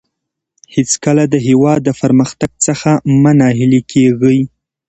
هېڅکله د هېواد د پرمختګ څخه مه ناهیلي کېږئ.